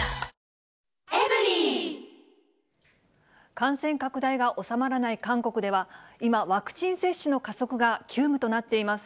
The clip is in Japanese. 感染拡大が収まらない韓国では、今、ワクチン接種の加速が急務となっています。